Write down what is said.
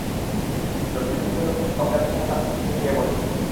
লোকটি বৃদ্ধ লোকটির অজ্ঞাতসারে তার পশ্চাতে গিয়ে বসল।